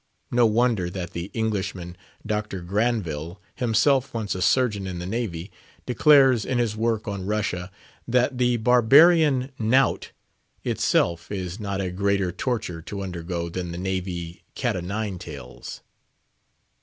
No wonder that the Englishman, Dr. Granville—himself once a surgeon in the Navy—declares, in his work on Russia, that the barbarian "knout" itself is not a greater torture to undergo than the Navy cat o' nine tails.